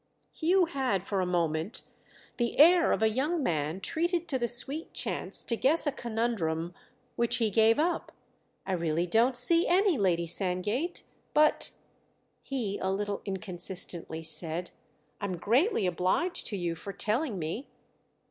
Hugh had for a moment the air of a young man treated to the sweet chance to guess a conundrum—which he gave up. "I really don't see any, Lady Sandgate. But," he a little inconsistently said, "I'm greatly obliged to you for telling me."